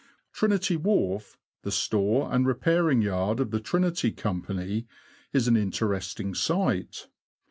Trinity Wharf, the store and repairing yard of the Trinity Company, is an interesting sight.